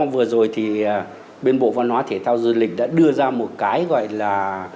vừa rồi thì bên bộ văn hóa thể thao du lịch đã đưa ra một cái gọi là